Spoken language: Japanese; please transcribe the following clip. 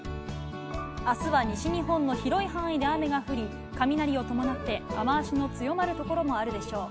あすは西日本の広い範囲で雨が降り、雷を伴って雨足の強まる所もあるでしょう。